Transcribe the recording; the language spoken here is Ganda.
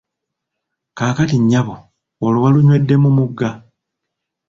Kaakati nnyabo olwo walunywedde mu mugga?